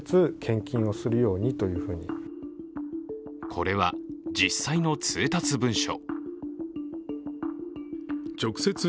これは実際の通達文書。